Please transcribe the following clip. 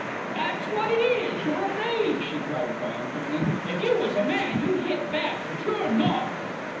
"That's what it is, you're afraid," she cried, triumphantly. "If you was a man you'd hit back; but you're not."